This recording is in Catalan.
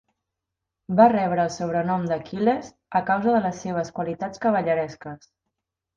Va rebre el sobrenom d'Aquil·les a causa de les seves qualitats cavalleresques.